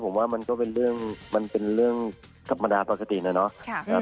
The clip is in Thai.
ผมว่ามันก็เป็นเรื่องมันเป็นเรื่องธรรมดาปกตินะเนาะ